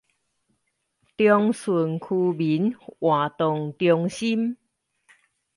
長順區民活動中心